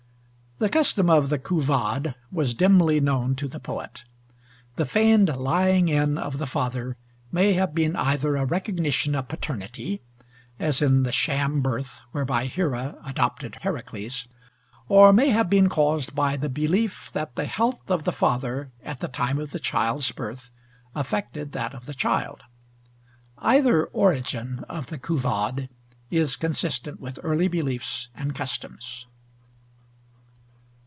The custom of the Couvade was dimly known to the poet. The feigned lying in of the father may have been either a recognition of paternity (as in the sham birth whereby Hera adopted Heracles) or may have been caused by the belief that the health of the father at the time of the child's birth affected that of the child. Either origin of the Couvade is consistent with early beliefs and customs.